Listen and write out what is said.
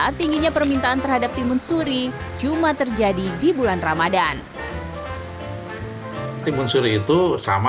tingginya permintaan terhadap timun suri cuma terjadi di bulan ramadhan timun suri itu sama